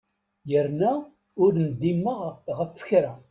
Yerna ur ndimeɣ ɣef kra.